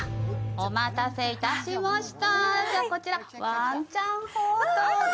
お待たせいたしました。